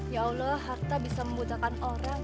ya allah harta bisa memudahkan orang